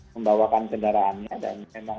membawakan kendaraannya dan memang